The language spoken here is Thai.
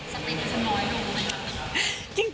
สำหรับอีกคนสำหรับอีกคนรู้ไหมครับ